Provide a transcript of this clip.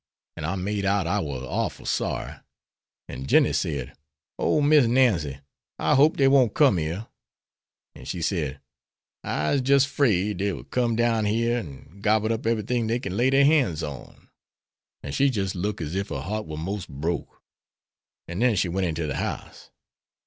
An' I made out I war orful sorry. An' Jinny said, 'O Miss Nancy, I hope dey won't come yere.' An' she said, 'I'se jis' 'fraid dey will come down yere and gobble up eberything dey can lay dere hands on.' An' she jis' looked as ef her heart war mos' broke, an' den she went inter de house.